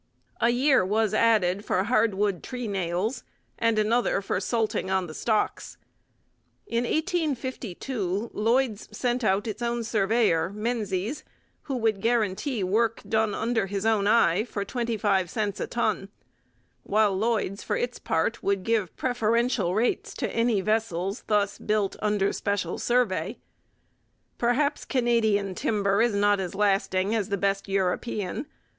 A year was added for hardwood treenails, and another for 'salting on the stocks.' In 1852 Lloyd's sent out its own surveyor, Menzies, who would guarantee work done under his own eye for twenty five cents a ton; while Lloyd's, for its part, would give preferential rates to any vessels thus 'built under special survey.' Perhaps Canadian timber is not as lasting as the best European.